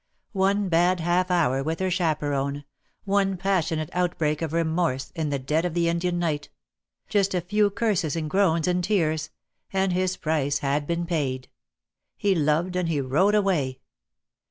One bad half hour with her chaperon; one pas sionate outbreak of remorse, in the dead of the Indian night; just a few curses and groans and tears; and his price had been paid. He loved and he rode away.